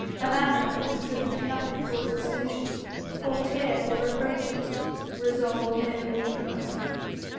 Amanda could contribute nothing towards its solution, for tears and reproaches resolve no enigmas.